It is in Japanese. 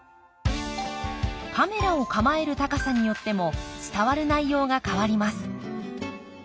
カメラを構える高さによっても伝わる内容が変わります。